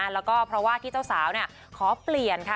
แล้วก็เพราะว่าที่เจ้าสาวขอเปลี่ยนค่ะ